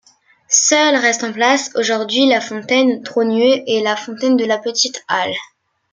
Seules restent en place aujourd'hui la fontaine Trogneux et la fontaine de la Petite-Halle.